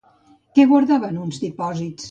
Què guardava en uns dipòsits?